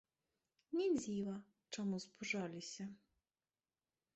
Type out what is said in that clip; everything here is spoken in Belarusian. Не дзіва, чаму спужаліся.